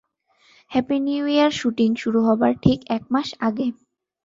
Happy New Year shooting শুরু হবার ঠিক এক মাস আগে!